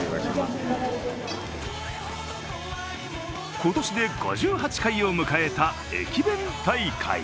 今年で５８回を迎えた駅弁大会。